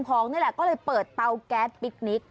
ก็เลยเปิดเตาแก๊สพิกนิก